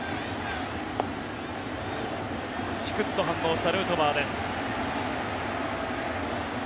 ぴくっと反応したヌートバーです。